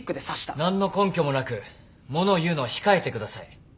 何の根拠もなく物を言うのは控えてください。